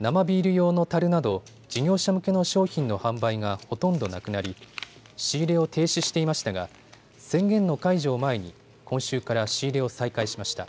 生ビール用のたるなど事業者向けの商品の販売がほとんどなくなり、仕入れを停止していましたが宣言の解除を前に今週から仕入れを再開しました。